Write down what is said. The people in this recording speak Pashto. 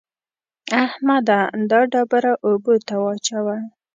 احمده! دا ډبره اوبو ته واچوه.